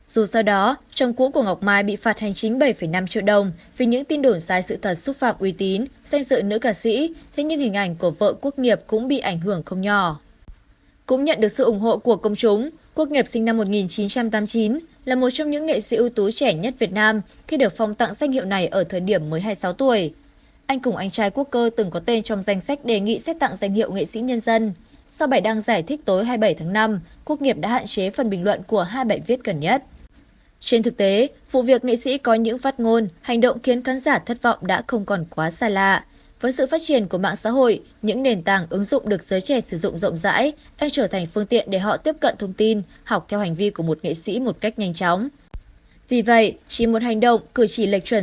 dù sau đó chồng cũ của ngọc mai bị phạt hành chính bảy năm triệu đồng vì những tin đổn sai sự thật xúc phạm uy tín